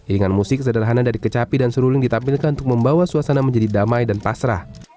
iringan musik sederhana dari kecapi dan seruling ditampilkan untuk membawa suasana menjadi damai dan pasrah